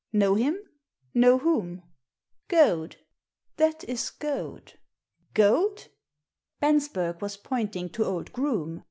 " Know him ? Know whom ?"« Goad. That is Goad." «Goadl" Bensberg was pointing to old Groome.